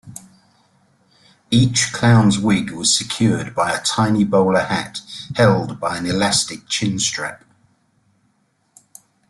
Each clown's wig was secured by a tiny bowler hat held by an elastic chin-strap.